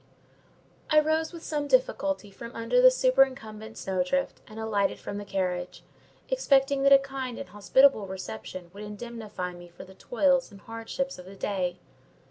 I rose with some difficulty from under the superincumbent snowdrift, and alighted from the carriage, expecting that a kind and hospitable reception would indemnify me for the toils and hardships of the day.